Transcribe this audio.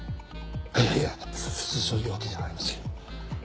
いやいやそういうわけじゃありません。